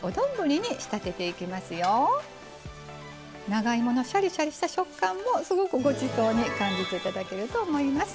長芋のシャリシャリした食感もすごくごちそうに感じていただけると思います。